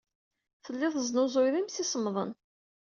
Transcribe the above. Telliḍ tesnuzuyeḍ imsisemḍen.